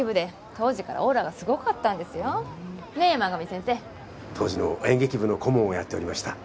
当時の演劇部の顧問をやっておりました。